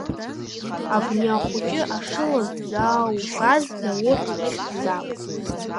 Абни ахәыҷы ашыла ззааугаз Заур ихьӡзаап!